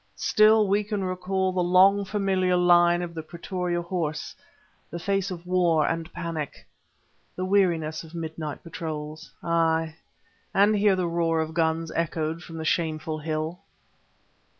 Still we can recall the long familiar line of the Pretoria Horse, the face of war and panic, the weariness of midnight patrols; aye, and hear the roar of guns echoed from the Shameful Hill.